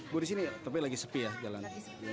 panik panik cuma tidak ada orang